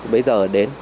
bây giờ đến